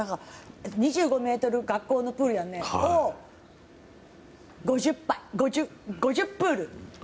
２５ｍのプールを５０プール。